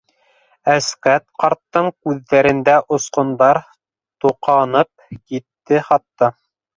- Әсҡәт ҡарттың күҙҙәрендә осҡондар тоҡанып китте хатта.